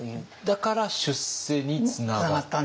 だから出世につながった。